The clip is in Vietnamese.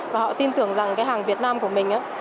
và họ tin tưởng rằng cái hàng việt nam của mình